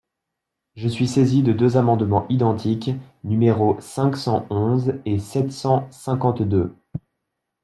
Je suis saisi de deux amendements identiques, numéros cinq cent onze et sept cent cinquante-deux.